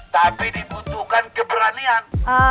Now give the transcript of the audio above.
tapi dibutuhkan keberanian